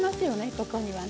ここにはね。